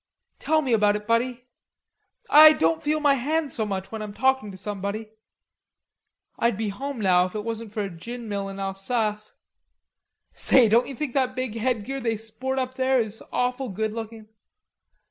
"Tell me about it, buddy. I don't feel my hand so much when I'm talking to somebody.... I'd be home now if it wasn't for a gin mill in Alsace. Say, don't ye think that big headgear they sport up there is awful good looking?